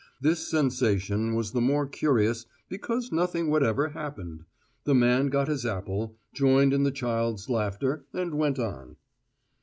This sensation was the more curious because nothing whatever happened. The man got his apple, joined in the child's laughter, and went on.